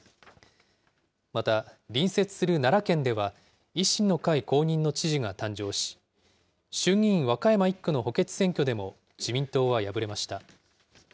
また、隣接する奈良県では、維新の会公認の知事が誕生し、衆議院和歌山１区の補欠選挙でも自民党は敗れました。